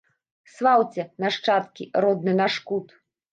Слаўце, нашчадкі, родны наш кут!